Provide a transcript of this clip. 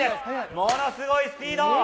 ものすごいスピード。